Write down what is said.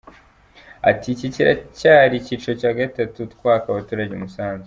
Ati: “Iki cyari icyiciro cya gatatu twaka abaturage umusanzu.